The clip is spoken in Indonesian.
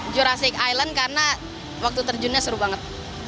jurasic island karena waktu terjunnya seru banget